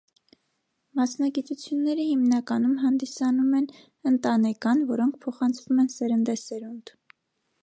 Մասնագիտությունները հիմնականում հանդիսանում են ընտանեկան, որոնք փոխանցվում են սերնդե սերունդ։